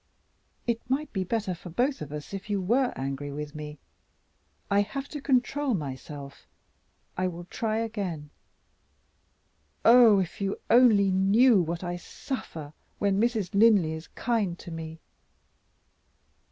"It might be better for both of us if you were angry with me. I have to control myself; I will try again. Oh, if you only knew what I suffer when Mrs. Linley is kind to me!"